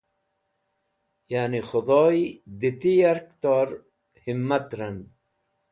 Yani khẽdhoy dẽ ti yark tor himat rand.